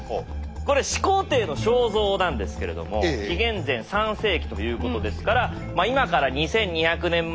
これ始皇帝の肖像なんですけれども紀元前３世紀ということですから今から２，２００年前。